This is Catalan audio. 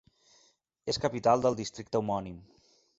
És capital del districte homònim.